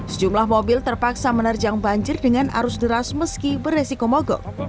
sejumlah mobil terpaksa menerjang banjir dengan arus deras meski beresiko mogok